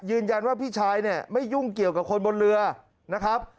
ยืนยันว่าพี่ชายเนี่ยไม่ยุ่งเกี่ยวกับคนบนเรือนะครับ